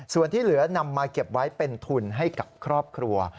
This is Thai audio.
ส่วนที่เหลือนำมาเก็บไว้เป็นทุนให้กับครอบครัว